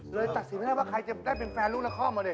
ตัดสินไม่ได้ว่าใครจะได้เป็นแฟนลูกละครมาดิ